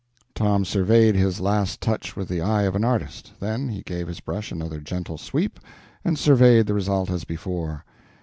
Tom surveyed his last touch with the eye of an artist; then he gave his brush another gentle sweep, and surveyed the result as before.